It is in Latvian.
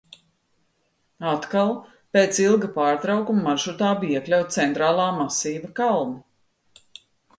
Atkal pēc ilga pārtraukuma maršrutā bija iekļauti Centrālā masīva kalni.